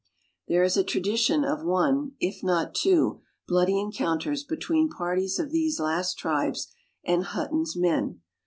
There is a tradition of one, if not two, bloody encounters be tween parties of these last tribes and Hutton's men.